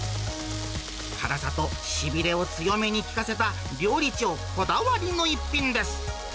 辛さとしびれを強めに効かせた料理長こだわりの一品です。